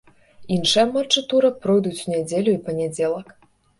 Іншыя матчы тура пройдуць у нядзелю і панядзелак.